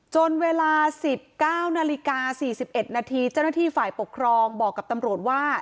จนเวลา๑๙นาฬิกา๔๑นาทีเจ้าหน้าที่ฝ่ายปกครองบอกกับตำรวจว่า